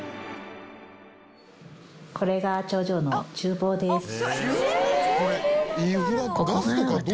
これが頂上の厨房です。